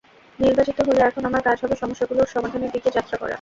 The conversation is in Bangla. নির্বাচিত হলে এখন আমার কাজ হবে সমস্যাগুলোর সমাধানের দিকে যাত্রা করা।